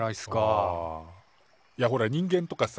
ああいやほら人間とかさ